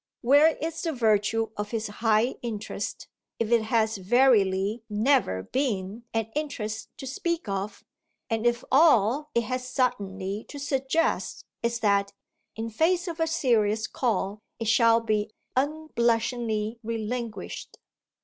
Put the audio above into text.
Where is the virtue of his high interest if it has verily never been an interest to speak of and if all it has suddenly to suggest is that, in face of a serious call, it shall be unblushingly relinquished?